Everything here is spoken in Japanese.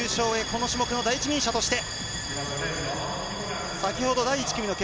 この種目の第一人者として。